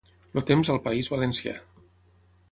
El temps al País Valencià.